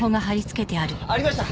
ありました。